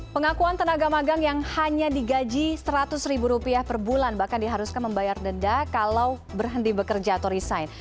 pengakuan tenaga magang yang hanya digaji seratus ribu rupiah per bulan bahkan diharuskan membayar denda kalau berhenti bekerja atau resign